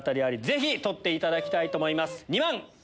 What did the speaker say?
ぜひ取っていただきたいと思います。